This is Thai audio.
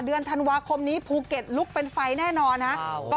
เดือนธันวาคมนี้ภูเก็ตลุกเป็นไฟแน่นอนนะ